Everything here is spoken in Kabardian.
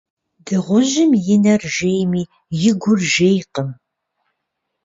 Дыгъужьым и нэр жейми, и гур жейкъым.